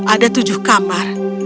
ada tujuh kamar